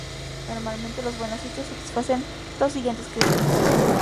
Normalmente, los buenos sitios satisfacen los siguientes criterios.